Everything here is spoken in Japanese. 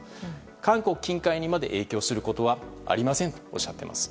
韓国近海にまで影響することはありませんとおっしゃっています。